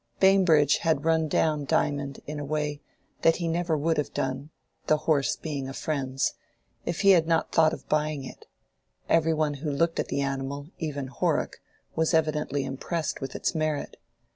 Bambridge had run down Diamond in a way that he never would have done (the horse being a friend's) if he had not thought of buying it; every one who looked at the animal—even Horrock—was evidently impressed with its merit.